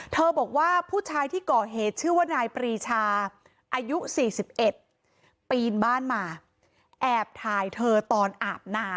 บอกว่าผู้ชายที่ก่อเหตุชื่อว่านายปรีชาอายุ๔๑ปีนบ้านมาแอบถ่ายเธอตอนอาบน้ำ